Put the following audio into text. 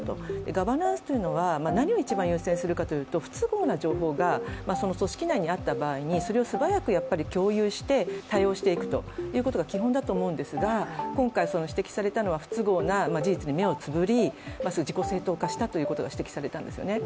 ガバナンスというのは、何を一番優先するかというと不都合な情報が組織内にあった場合それを素早く共有して、対応していくということが基本だと思うんですが、今回指摘されたのは不都合な事実に目をつむり自己正当化したということが指摘されたんですよね。